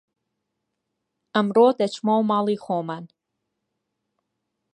ئەمڕۆ دەچمەوە ماڵی خۆمان